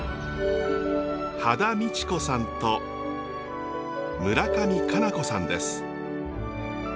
羽田美智子さんと村上佳菜子さんです。